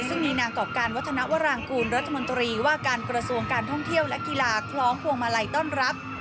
ซึ่งมีนางกรอบการวัฒนวรางกูลรัฐมนตรีว่าการกระทรวงการท่องเที่ยวและกีฬาคล้องพวงมาลัยต้อนรับ